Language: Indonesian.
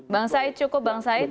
bang said cukup